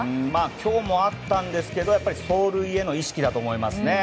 今日もあったんですが走塁への意識だと思います。